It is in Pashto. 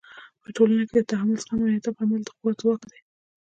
په ټولنو کې د تحمل، زغم او انعطاف عمل د قوت ځواک دی.